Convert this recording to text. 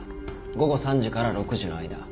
午後３時から６時の間。